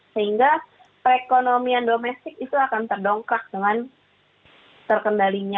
sehingga perekonomian domestik itu akan terdongkak dengan terkendali negara